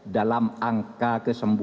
dalam angka kesempatan